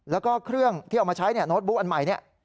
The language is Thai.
แล้วก็เครื่องที่เอามาใช้โน้ตบุ๊กอันใหม่เนี่ย